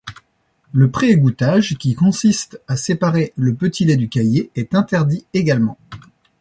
Le pré-égouttage, qui consiste à séparer le petit lait du caillé, est interdit également.